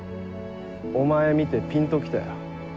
お前見てピンと来たよ。